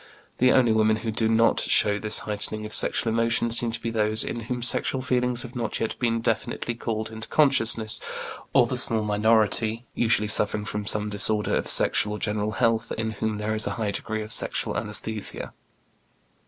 The only women who do not show this heightening of sexual emotion seem to be those in whom sexual feelings have not yet been definitely called into consciousness, or the small minority, usually suffering from some disorder of sexual or general health, in whom there is a high degree of sexual anæsthesia.